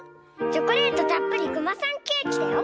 チョコレートたっぷりクマさんケーキだよ！